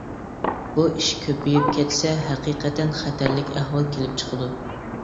بۇ ئىش كۆپىيىپ كەتسە ھەقىقەتەن خەتەرلىك ئەھۋال كېلىپ چىقىدۇ.